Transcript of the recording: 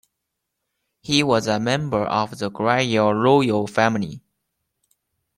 He was a member of the Goryeo royal family.